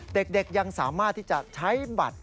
เด็กยังสามารถที่จะใช้บัตร